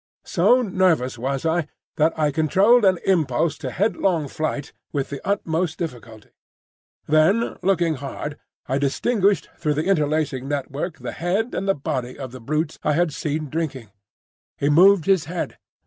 So nervous was I that I controlled an impulse to headlong flight with the utmost difficulty. Then looking hard, I distinguished through the interlacing network the head and body of the brute I had seen drinking. He moved his head.